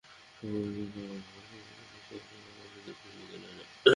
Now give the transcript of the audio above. সভায় অনুপস্থিত থাকার ঘটনায় এভাবে নোটিশ দেওয়ার কোনো নজির বিশ্ববিদ্যালয়ে নেই।